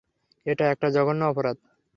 এটা একটা জঘন্য অপরাধ!